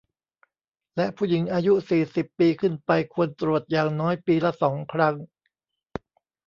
และผู้หญิงอายุ สี่สิบ ปีขึ้นไปควรตรวจอย่างน้อยปีละ สอง ครั้ง